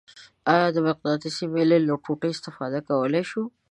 آیا د مقناطیسي میلې له ټوټې استفاده کولی شو؟